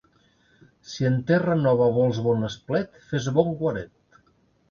Si en terra nova vols bon esplet, fes bon guaret.